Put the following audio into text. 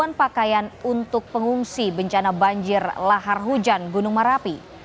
delapan pakaian untuk pengungsi bencana banjir lahar hujan gunung merapi